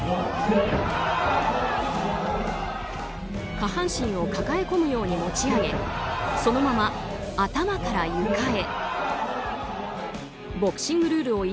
下半身を抱え込むように持ち上げそのまま頭から床へ。